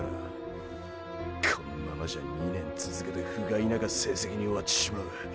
このままじゃ２年続けて不甲斐なが成績に終わっちまう。